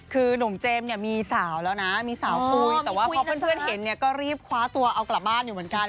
คือหนุ่มเจมส์เนี่ยมีสาวแล้วนะมีสาวคุยแต่ว่าพอเพื่อนเห็นเนี่ยก็รีบคว้าตัวเอากลับบ้านอยู่เหมือนกัน